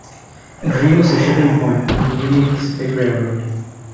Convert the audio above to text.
Green was a shipping point on the Union Pacific Railroad.